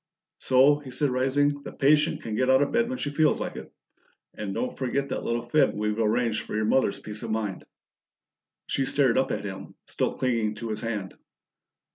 "So!" he said, rising. "The patient can get out of bed when she feels like it and don't forget that little fib we've arranged for your mother's peace of mind." She stared up at him, still clinging to his hand.